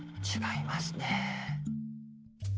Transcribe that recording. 違いますね。